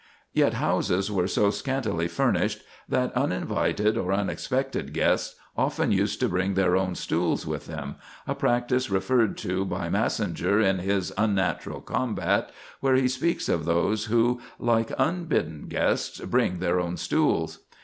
Yet houses were so scantily furnished that uninvited or unexpected guests often used to bring their own stools with them, a practice referred to by Massinger in his "Unnatural Combat," where he speaks of those who, "like unbidden guests, bring their own stools."